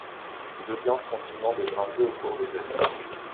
Les audiences continuant de grimper au cours des années...